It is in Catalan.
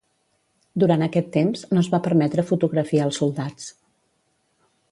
Durant aquest temps, no es va permetre fotografiar els soldats.